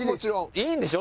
いいんでしょ？